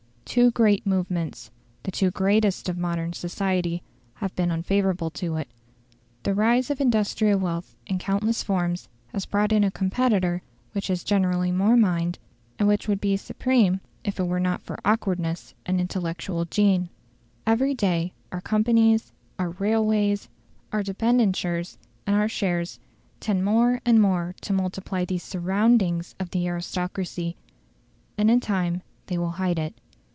Two great movements the two greatest of modern society have been unfavourable to it. The rise of industrial wealth in countless forms has brought in a competitor which has generally more mind, and which would be supreme were it not for awkwardness and intellectual gene. Every day our companies, our railways, our debentures, and our shares, tend more and more to multiply these SURROUNDINGS of the aristocracy, and in time they will hide it.